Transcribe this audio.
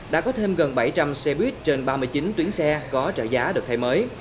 đã có thêm gần bảy trăm linh xe buýt trên ba mươi chín tuyến xe có trợ giá được thay mới